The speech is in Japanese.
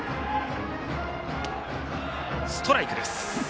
ストライクです。